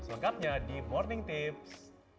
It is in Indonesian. selengkapnya di morning tips